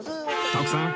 徳さん